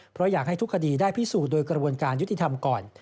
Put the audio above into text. เพราะอยากให้ทุกคดีได้พิสูจน์โดยกระบวนการยุติธรรมก่อน